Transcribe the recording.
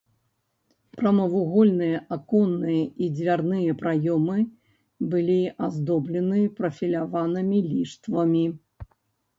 Прамавугольныя аконныя і дзвярныя праёмы былі аздоблены прафіляванымі ліштвамі.